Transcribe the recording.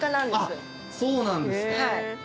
そうなんですか。